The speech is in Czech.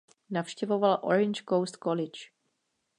Navštěvoval Orange Coast College.